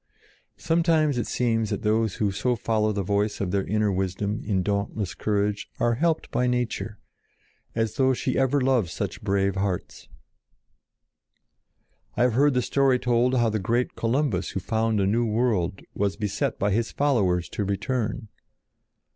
Sometimes it seems that those who so follow the voice of their inner wisdom in dauntless courage are helped by nature, as though she ever loves such brave hearts. I have heard the story told how the great Columbus who found a new world was beset by his followers to return.